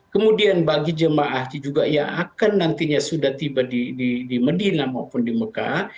kemudian bagi jemaah juga yang akan nantinya sudah tiba di medina maupun di mekah